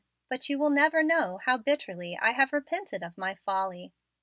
But you will never know how bitterly I have repented of my folly.